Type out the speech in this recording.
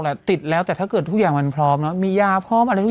ติดแล้วแต่ถ้าเกิดทุกอย่างมันพร้อมเนอะมียาพร้อมอะไร